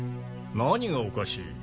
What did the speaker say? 何がおかしい？